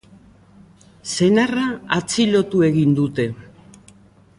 Senarra atxilotu egin dute.